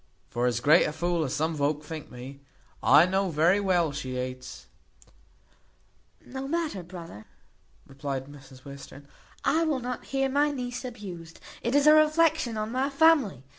For as great a fool as some volk think me, I know very well she hates " "No matter, brother," replied Mrs Western, "I will not hear my niece abused. It is a reflection on my family.